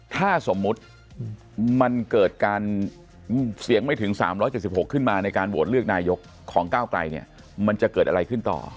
ถ้าสมมุติมันเกิดการเสียงไม่ถึง๓๗๖ขึ้นมาในการโหวตเลือกนายกของก้าวไกลเนี่ยมันจะเกิดอะไรขึ้นต่อ